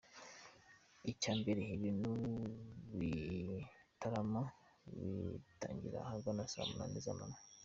Icya mbere, ibi bitaramo bitangira ahagana saa munani z’amanywa.